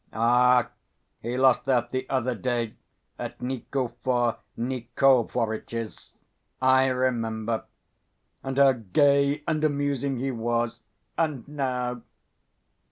"Ah, he lost that the other day at Nikifor Nikiforitch's. I remember. And how gay and amusing he was and now!"